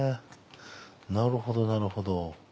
なるほどなるほど。